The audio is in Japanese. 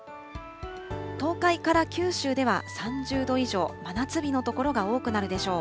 東海から九州では３０度以上、真夏日の所が多くなるでしょう。